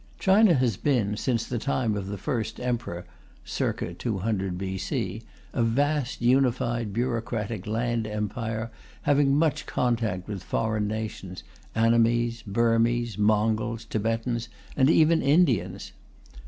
China has been, since the time of the First Emperor (c. 200 B.C.), a vast unified bureaucratic land empire, having much contact with foreign nations Annamese, Burmese, Mongols, Tibetans and even Indians.